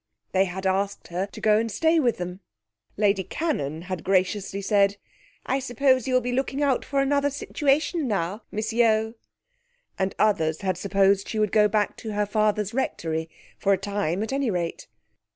They had asked her to go and stay with them. Lady Cannon had graciously said, 'I suppose you will be looking out for another situation now, Miss Yeo?' and others had supposed she would go back to her father's Rectory, for a time, at any rate.